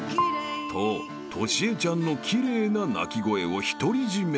［とトシエちゃんの奇麗な鳴き声を独り占め］